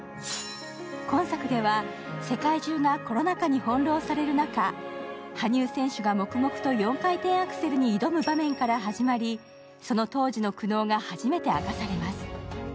今作では世界中がコロナ禍に翻弄される中、羽生選手が黙々と４回転アクセルに挑む場面から始まり、その当時の苦悩が初めて明かされます。